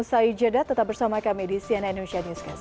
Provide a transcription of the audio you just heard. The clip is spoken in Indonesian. dari jeddah tetap bersama kami di cnn indonesia newscast